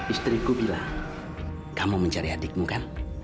istriku bilang kamu mencari adikmu kan